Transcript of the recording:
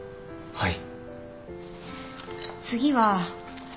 はい。